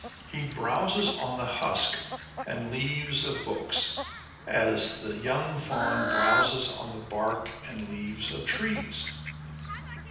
He browses on the husk and leaves of books, as the young fawn browses on the bark and leaves of trees.